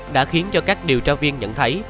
đã khiến cho các điều tra viên nhận thấy